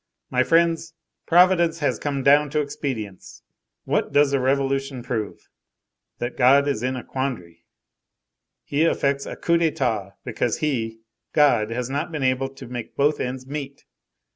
My friends, Providence has come down to expedients. What does a revolution prove? That God is in a quandry. He effects a coup d'état because he, God, has not been able to make both ends meet.